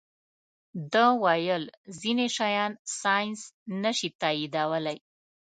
ده ویل ځینې شیان ساینس نه شي تائیدولی.